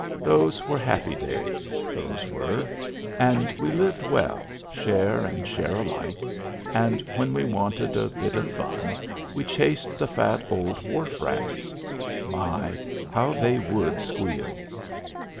Those were happy days, those were; and we lived well, share and share alike, and when we wanted a bit of fun, we chased the fat old wharf rats! My, how they would squeal!